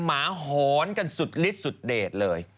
หมาหอนกันสุดลิดสุดเด็ดเลย